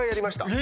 え！